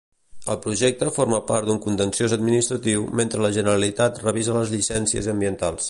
El projecte forma part d'un contenciós administratiu mentre la Generalitat revisa les llicències ambientals.